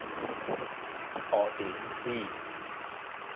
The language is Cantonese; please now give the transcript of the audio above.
我點知